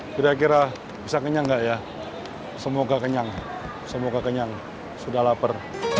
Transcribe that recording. kira kira bisa kenyang gak ya semoga kenyang semoga kenyang sudah lapar